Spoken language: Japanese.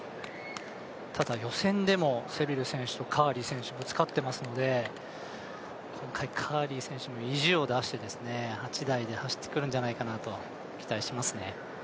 予選でもセビル選手、カーリー選手とぶつかっていますので今回、カーリー選手も意地を出して８台で走ってくるんじゃないかと期待してますね。